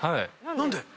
何で？